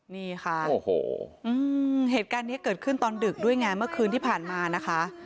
นี่ค่ะโอ้โหเหตุการณ์นี้เกิดขึ้นตอนดึกด้วยไงเมื่อคืนที่ผ่านมานะคะ